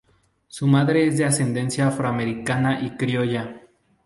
Su madre es de ascendencia afroamericana y criolla.